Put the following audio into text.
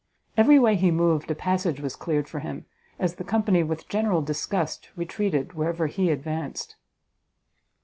Every way he moved a passage was cleared for him, as the company, with general disgust, retreated wherever he advanced.